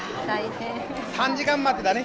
３時間待ってだね。